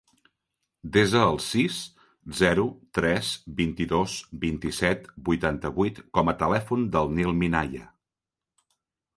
Desa el sis, zero, tres, vint-i-dos, vint-i-set, vuitanta-vuit com a telèfon del Nil Minaya.